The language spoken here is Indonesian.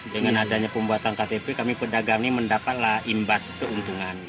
dengan adanya pembuatan ktp kami pedagang ini mendapatlah imbas keuntungan